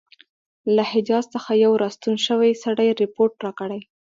له حجاز څخه یو را ستون شوي سړي رپوټ راکړی.